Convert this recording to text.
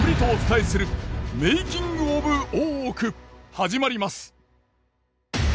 始まります！